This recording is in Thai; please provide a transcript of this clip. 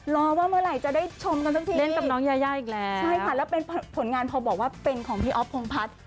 รอว่าเมื่อไหร่จะได้ชมกันซักทีใช่ค่ะแล้วเป็นผลงานพอบอกว่าเป็นของพี่อ๊อฟพงภัทร์